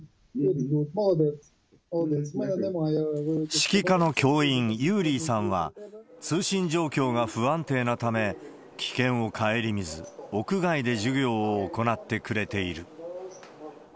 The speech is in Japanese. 指揮科の教員、ユーリィさんは、通信状況が不安定なため、危険を顧みず、屋外で授業を行ってくれている。